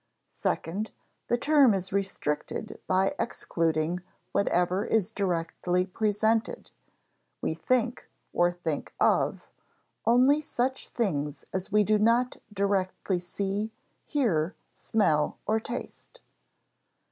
Second, the term is restricted by excluding whatever is directly presented; we think (or think of) only such things as we do not directly see, hear, smell, or taste.